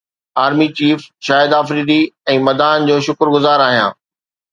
army chief Shahid Afridi ۽ مداحن جو شڪر گذار آهيان